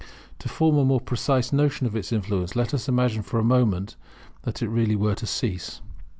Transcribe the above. To form a more precise notion of its influence, let us imagine that for a moment it were really to cease.